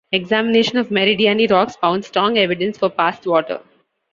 Examination of Meridiani rocks found strong evidence for past water.